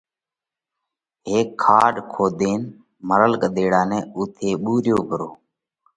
هيڪ کاڏ کوۮينَ مرل ڳۮيڙا نئہ اُوٿئہ ٻُوريو پرو۔